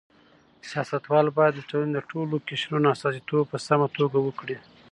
سیاستوال باید د ټولنې د ټولو قشرونو استازیتوب په سمه توګه وکړي.